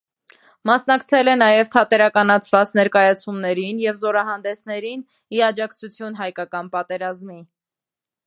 Մասնակցել է նաև թատերականացված ներկայացումներին և զորահանդեսներին՝ ի աջակցություն հայկական պատերազմի։